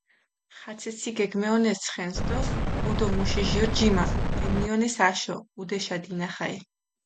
ხაცეცი გეგმეჸონეს ცხენს დო მუ დო მუში ჟირ ჯიმა გემნიჸონეს აშო, ჸუდეშა, დინახალე.